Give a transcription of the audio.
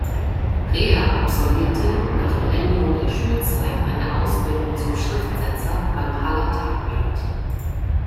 Rehe absolvierte nach Beendigung der Schulzeit eine Ausbildung zum Schriftsetzer beim Haller Tagblatt.